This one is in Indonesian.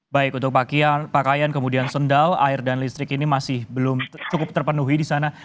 baik untuk pakaian kemudian sendal air dan listrik ini masih belum cukup terpenuhi di sana